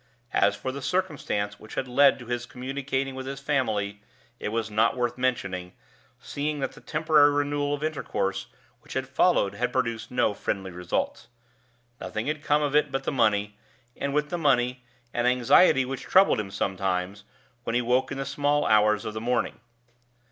As for the circumstance which had led to his communicating with his family, it was not worth mentioning, seeing that the temporary renewal of intercourse which had followed had produced no friendly results. Nothing had come of it but the money and, with the money, an anxiety which troubled him sometimes, when he woke in the small hours of the morning.